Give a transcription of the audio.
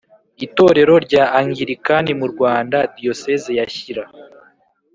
itorero rya Anglikani mu Rwanda Diyoseze ya Shyira